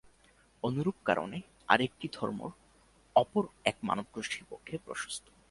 অনুরূপ কারণে আর একটি ধর্ম অপর এক মানবগোষ্ঠীর পক্ষে প্রশস্ত।